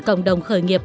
cộng đồng khởi nghiệp